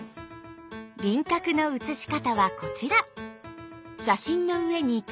輪郭の写し方はこちら！